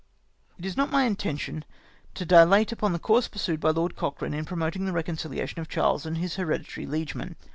It is not my intention to dilate upon the coiu^se pur sued by Lord Coclirane, in promoting the reconciliation of Charles and his hereditary liegemen.